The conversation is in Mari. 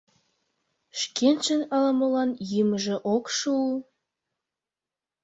Шкенжын ала-молан йӱмыжӧ ок шу...